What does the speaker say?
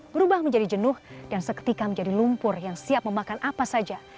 berubah menjadi jenuh dan seketika menjadi lumpur yang siap memakan apa saja